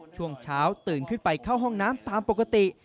ช่วงเช้าตื่นขึ้นไปเข้าห้องน้ำตามปกติ